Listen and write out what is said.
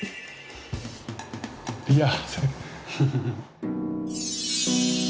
いや。